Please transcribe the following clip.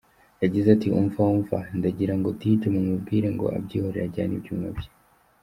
Yagize ati “Umva, umva, ndagira ngo Dj mumubwire ngo abyihorere ajyane ibyuma bye.